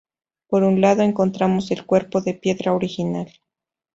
Por un lado, encontramos el cuerpo de piedra original.